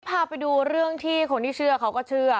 พาไปดูเรื่องที่คนที่เชื่อเขาก็เชื่อ